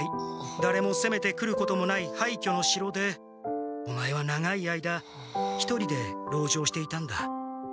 だれもせめてくることもないはいきょの城でオマエは長い間一人で籠城していたんだ。